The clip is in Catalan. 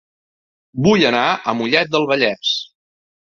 Vull anar a Mollet del Vallès